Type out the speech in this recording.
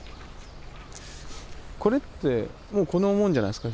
これってもうこの門じゃないですか？